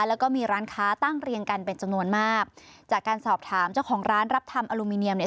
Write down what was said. แล้วก็มีร้านค้าตั้งเรียงกันเป็นจำนวนมากจากการสอบถามเจ้าของร้านรับทำอลูมิเนียมเนี่ย